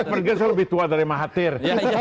clifford gertz lebih tua dari mahathir